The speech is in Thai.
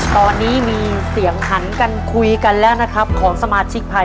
ตอนนี้มีเสียงหันกันคุยกันแล้วนะครับของสมาชิกภัย